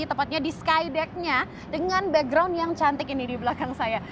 tepatnya di skydeck nya dengan background yang cantik ini di belakang saya